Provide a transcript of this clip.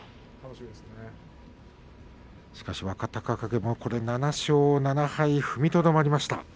若隆景もこれで７勝７敗踏みとどまりました。